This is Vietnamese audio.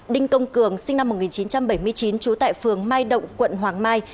đinh công cường sinh năm một nghìn chín trăm bảy mươi chín trú tại phường mai động quận hoàng mai